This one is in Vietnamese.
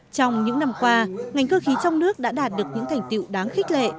trong những năm qua ngành cơ khí trong nước đã đạt được những thành tiệu đáng khích lệ